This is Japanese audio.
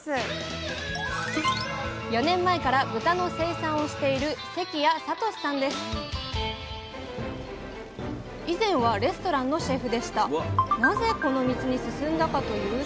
４年前から豚の生産をしている以前はレストランのシェフでした。